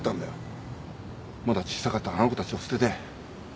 まだ小さかったあの子たちを捨てて。